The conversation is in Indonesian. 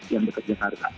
yang deket jakarta